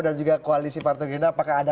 dan juga koalisi partai gerindra apakah ada